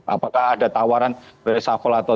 apakah ada tawaran reshuffle atau